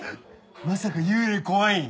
まさか幽霊怖いん？